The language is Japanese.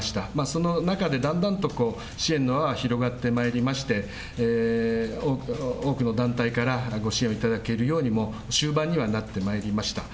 その中で、だんだんと支援の輪が広がってまいりまして、多くの団体からご支援をいただけるようにも、終盤にはなってまいりました。